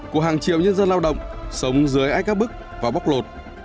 của hàng triệu nhân dân lao động sống dưới ách áp bức và bóc lột